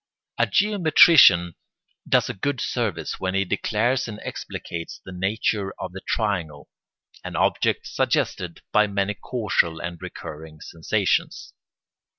] A geometrician does a good service when he declares and explicates the nature of the triangle, an object suggested by many casual and recurring sensations.